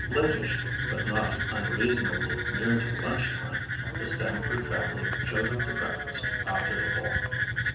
Latish, but not unreasonably near to lunchtime, the Stamford family showed up to breakfast after the ball.